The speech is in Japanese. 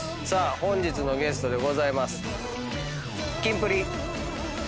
本日のゲストでございます。